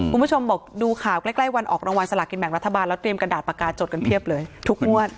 คุณผู้ชมบอกดูข่าวใกล้วันออกรางวัลสลากินแบ่งรัฐบาลแล้วเตรียมกระดาษปากกาจดกันเพียบเลยทุกงวด